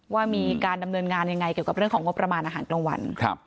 ว่ามีการดำเนินงานยังไงเกี่ยวกับเรื่องของงบประมาณอาหารกลางวัน